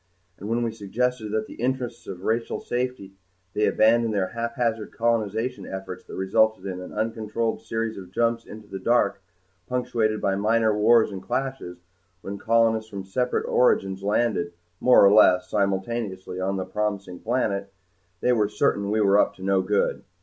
And when we suggested that in the interests of racial safety they abandon their haphazard colonization efforts that resulted in an uncontrolled series of jumps into the dark, punctuated by minor wars and clashes when colonists from separate origins landed, more or less simultaneously, on a promising planet, they were certain we were up to no good.